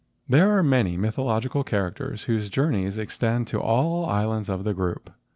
There are many mythological characters whose journeys extend to all the islands of the group.